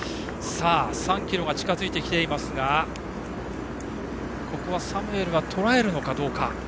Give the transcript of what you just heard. ３ｋｍが近づいてきていますがサムエルはとらえるのかどうか。